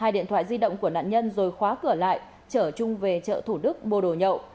hai điện thoại di động của nạn nhân rồi khóa cửa lại trở trung về chợ thủ đức mua đồ nhậu